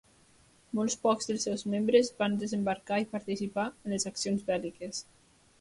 Molt pocs dels seus membres varen desembarcar i participar en les accions bèl·liques.